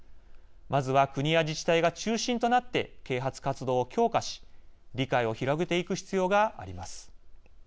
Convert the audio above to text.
まずは、国や自治体が中心となって啓発活動を強化し理解を広げていく必要があります。